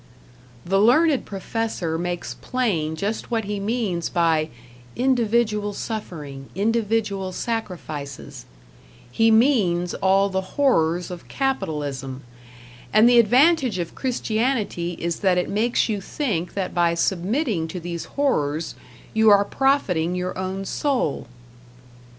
The learned professor makes plain just what he means by "individual suffering, individual sacrifices"; he means all the horrors of capitalism; and the advantage of Christianity is that it makes you think that by submitting to these horrors, you are profiting your own soul.